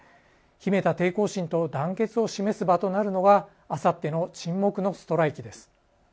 秘めた抵抗心と団結を示す場となるのがあさっての沈黙のストライキです。